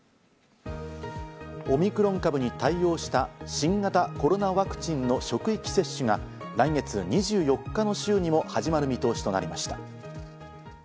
オミクロン株に対応した新型コロナワクチンの職域接種が、来月２４日の週にも始まる見通しとなりました。